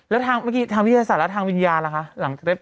แล้วทางวิทยาศาสตร์แล้วทางวิญญาณล่ะคะ